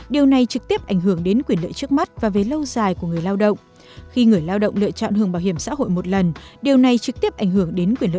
điều này trực tiếp ảnh hưởng đến quyền lợi trước mắt và về lâu dài của người lao động